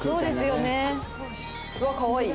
うわっかわいい。